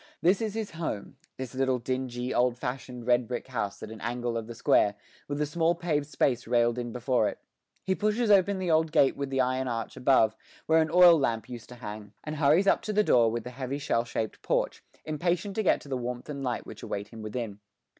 This is his home, this little dingy, old fashioned red brick house at an angle of the square, with a small paved space railed in before it. He pushes open the old gate with the iron arch above, where an oil lamp used to hang, and hurries up to the door with the heavy shell shaped porch, impatient to get to the warmth and light which await him within.